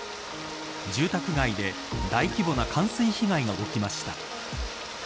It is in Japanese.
住宅街で大規模な冠水被害が起きました。